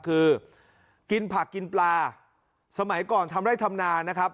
คือกินผักกินปลาสมัยก่อนทำไร่ทำนานะครับ